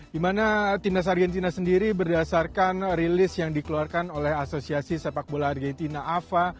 di mana timnas argentina sendiri berdasarkan rilis yang dikeluarkan oleh asosiasi sepak bola argentina ava